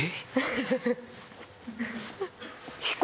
フフフフ。